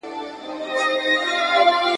او د ښکار ورڅخه ورک سو ژوندی مړی `